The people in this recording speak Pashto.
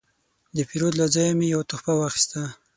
د پیرود له ځایه مې یو تحفه واخیسته.